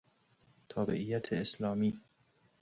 تابعیت اسلامی